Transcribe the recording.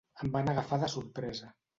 Em van agafar de sorpresa.